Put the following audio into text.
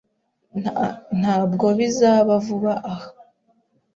Ntabwo bizaba vuba aha.